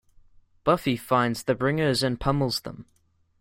Buffy finds the Bringers and pummels them.